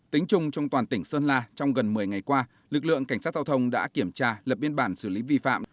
tính chung trong toàn tỉnh sơn la trong gần một mươi ngày qua lực lượng cảnh sát giao thông đã kiểm tra lập biên bản xử lý vi phạm